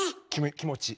気持ち。